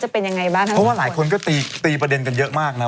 เพราะว่าหลายคนก็ตีประเด็นกันเยอะมากนะ